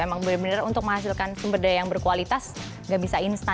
emang bener bener untuk menghasilkan sumber daya yang berkualitas gak bisa instan